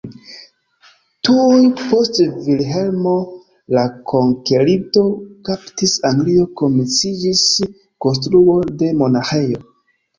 Tuj post Vilhelmo la Konkerinto kaptis Anglion komenciĝis konstruo de monaĥejo.